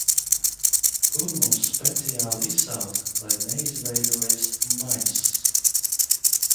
"Tur mūs speciāli izsauca, lai neizveidojas "maiss"."